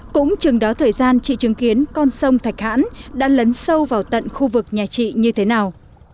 cũng chừng đó thời gian chị chứng kiến con sông thạch hãn đã lấn sâu vào tận khu vực nhà chị như thế nào